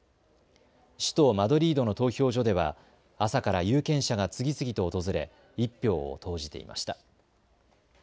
首都マドリードの投票所では朝から有権者が次々と訪れ１票を投じていました。